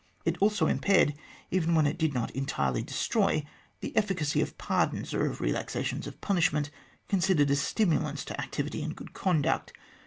It also impaired, even where it did not entirely destroy, the efficacy of pardons or of relaxations of punish ment, considered as stimulants to activity and good conduct.